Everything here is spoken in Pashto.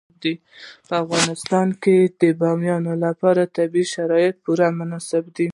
په افغانستان کې د بامیان لپاره طبیعي شرایط پوره مناسب دي.